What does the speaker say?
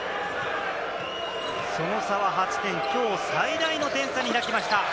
その差は８点、きょう最大の点差に開きました。